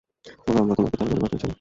সোনা, আমরা তোমাকে তার কোলে পাঠিয়েছিলাম।